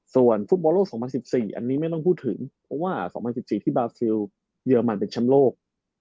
ส่วนฟุตบอลโลก๒๐๑๔อันนี้ไม่ต้องพูดถึงเพราะว่า๒๐๑๔ที่บาซิลเยอรมันเป็นแชมป์โลก